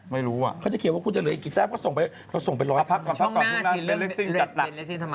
ไม่รู้อ่ะเขาจะเขียวว่าคุณจะเหลืออีกกี่แต้มก็ส่งไป๑๐๐ธันวาคม